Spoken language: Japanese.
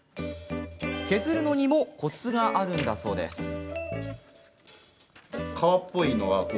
削るのにもコツがあるんだそうです。